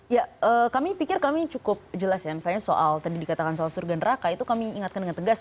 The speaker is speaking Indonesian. ya kami pikir kami cukup jelas ya misalnya soal tadi dikatakan soal surga neraka itu kami ingatkan dengan tegas